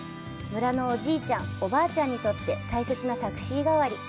村のおじいちゃん、おばあちゃんにとって大切なタクシー代わり。